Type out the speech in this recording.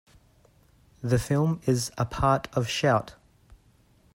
The film is a part of Shout!